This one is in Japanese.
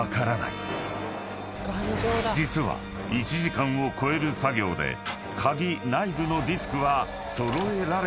［実は１時間を超える作業で鍵内部のディスクは］